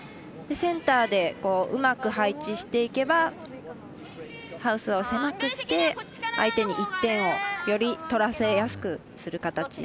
センターでうまく配置していけばハウスを狭くして相手に１点をより取らせやすくする形。